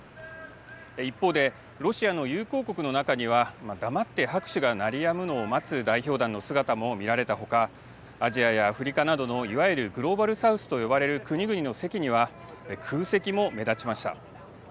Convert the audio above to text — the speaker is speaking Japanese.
一方で、ロシアの友好国の中には、黙って拍手が鳴りやむのを待つ代表団の姿も見られたほか、アジアやアフリカなどのいわゆるグローバル・サウスと呼ばれる国々の席には空席も目立ちました。